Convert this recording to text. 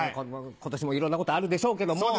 今年もいろんなことあるでしょうけども。